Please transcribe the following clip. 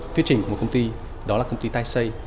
tuyết trình của một công ty đó là công ty tai xây